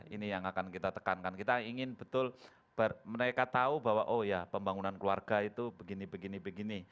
ini yang akan kita tekankan kita ingin betul mereka tahu bahwa oh ya pembangunan keluarga itu begini begini